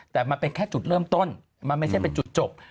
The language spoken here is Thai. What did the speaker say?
แต่มันเป็นแค่จุดเริ่มต้นมันไม่ใช่เป็นจุดจบ